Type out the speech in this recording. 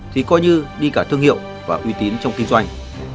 thì coi như đi cả thương hiệu và uy tín trong kinh doanh